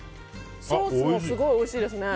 ソースもすごいおいしいですね。